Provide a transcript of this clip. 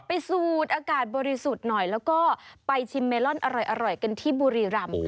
สูดอากาศบริสุทธิ์หน่อยแล้วก็ไปชิมเมลอนอร่อยกันที่บุรีรำ